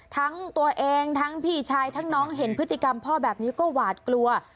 ทั้งตัวเองทั้งพี่ชายทั้งน้องเห็นพฤติกรรมพ่อแบบนี้ก็หวาดกลัว